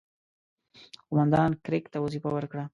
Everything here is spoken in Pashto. قوماندان کرېګ ته وظیفه ورکړه.